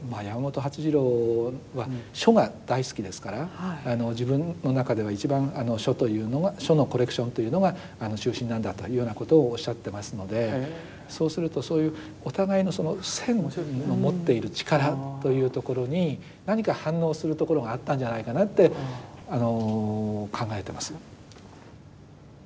山本發次郎は書が大好きですから自分の中では一番書のコレクションというのが中心なんだというようなことをおっしゃってますのでそうするとそういうお互いのその線の持っている力というところに何か反応するところがあったんじゃないかなって考えてます。